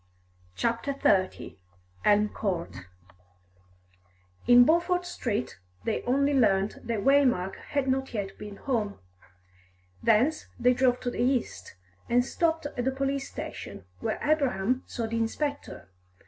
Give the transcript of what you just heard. CHAPTER XXX ELM COURT In Beaufort Street they only learnt that Waymark had not yet been home. Thence they drove to the east, and stopped at a police station, where Abraham saw the inspector.